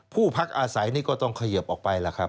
พักอาศัยนี่ก็ต้องเขยิบออกไปล่ะครับ